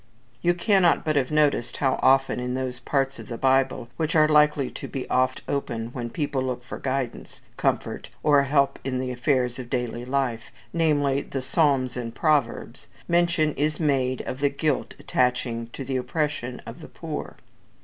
You cannot but have noticed how often in those parts of the Bible which are likely to be oftenest opened when people look for guidance, comfort, or help in the affairs of daily life, namely, the Psalms and Proverbs, mention is made of the guilt attaching to the Oppression of the poor.